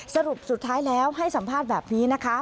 สรุปสุดท้ายแล้วให้สัมภาษณ์แบบนี้นะคะ